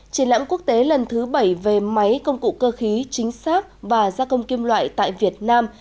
triển lãm quốc tế lần thứ bảy về máy công cụ cơ khí chính xác và gia công kim loại tại việt nam